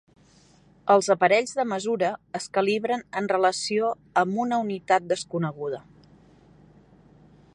Els aparells de mesura es calibren en relació amb una unitat desconeguda.